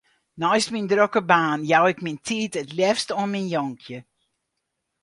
Neist myn drokke baan jou ik myn tiid it leafst oan myn jonkje.